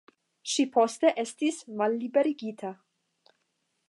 Ŝi poste estis malliberigita.